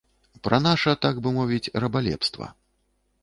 Пра наша, так бы мовіць, рабалепства.